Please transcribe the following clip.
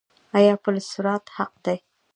آیا پل صراط حق دی؟